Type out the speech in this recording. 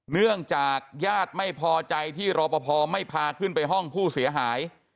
เนื่องจากญาติไม่พอใจที่รอปภไม่พาขึ้นไปห้องผู้เสียหาย